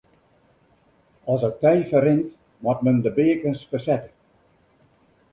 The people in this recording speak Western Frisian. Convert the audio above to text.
As it tij ferrint moat men de beakens fersette.